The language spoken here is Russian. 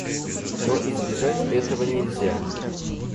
Но избежать этого нельзя.